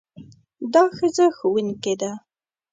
دا ښځه ښوونکې ده.